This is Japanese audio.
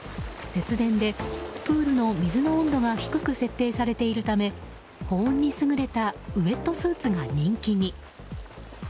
節電でプールの水の温度が低く設定されているため保温に優れたウェットスーツが人気に。